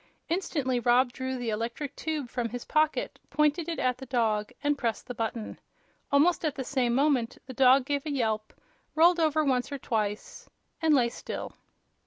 Instantly Rob drew the electric tube from his pocket, pointed it at the dog and pressed the button. Almost at the same moment the dog gave a yelp, rolled over once or twice and lay still.